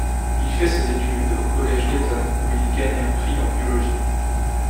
Il fait ses études au collège d'Eton où il gagne un prix en biologie.